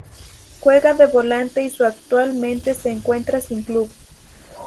Juega de volante y su actualmente se encuentra sin club.